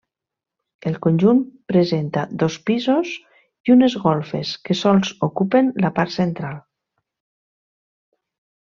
El conjunt presenta dos pisos i unes golfes que sols ocupen la part central.